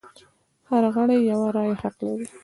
هر غړی یوه رایه حق لري.